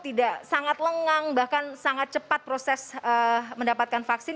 tidak sangat lengang bahkan sangat cepat proses mendapatkan vaksin